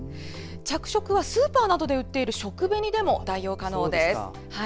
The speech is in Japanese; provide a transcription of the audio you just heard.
着色はスーパーなどで売っている食紅でも代用可能です。